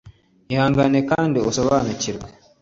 ihangane kandi usobanukirwe